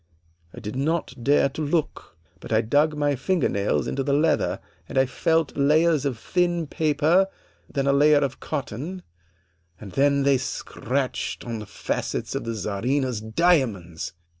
I did not dare to look, but I dug my finger nails into the leather and I felt layers of thin paper, then a layer of cotton, and then they scratched on the facets of the Czarina's diamonds!